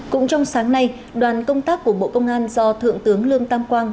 cũng trong sáng nay đoàn công tác của bộ công an do thượng tướng lương tam quang